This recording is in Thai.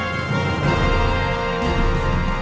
สวัสดีครับ